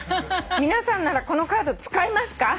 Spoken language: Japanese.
「皆さんならこのカード使いますか？」